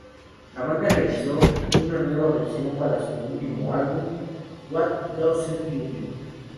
La banda realizó una nueva versión para su último álbum "What Doesn't Kill You...".